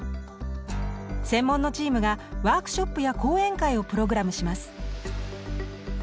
専門のチームがワークショップや講演会をプログラムします。